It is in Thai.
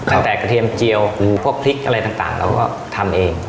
ตั้งแต่กระเทียมเจียวพวกพริกอะไรต่างเราก็ทำเอง